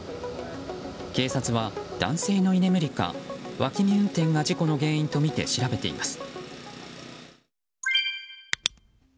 警察は男性の居眠りか脇見運転が事故の原因とみて調べています。